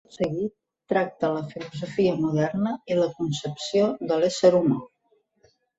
Tot seguit, tracte la filosofia moderna i la concepció de l'ésser humà.